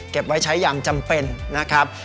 ไว้ใช้อย่างจำเป็นนะครับ